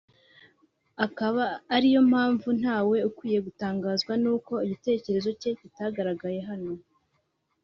akaba ariyo mpamvu ntawe ukwiye gutangazwa n’uko igitekerezo cye kitagaragara hano